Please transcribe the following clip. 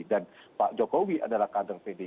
dan pak jokowi adalah kader politik